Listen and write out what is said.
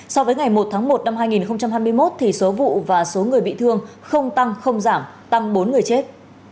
so với ngày một tháng một năm hai nghìn hai mươi một số vụ và số người bị thương không tăng không giảm tăng bốn người chết